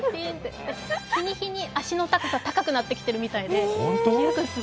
日に日に足の高さ高くなってるらしいです。